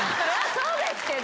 そうですけど。